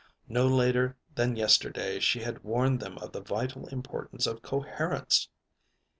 No later than yesterday she had warned them of the vital importance of coherence.